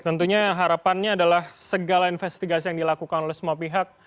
tentunya harapannya adalah segala investigasi yang dilakukan oleh semua pihak